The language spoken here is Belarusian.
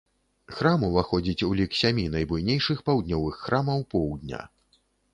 Храм уваходзіць у лік сямі найбуйнейшых паўднёвых храмаў поўдня.